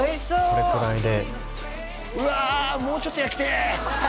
これくらいでうわもうちょっと焼きてえ！